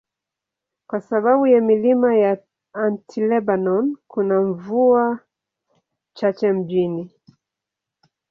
Kwa sababu ya milima ya Anti-Lebanon, kuna mvua chache mjini.